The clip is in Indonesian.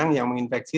kurang lebih banyak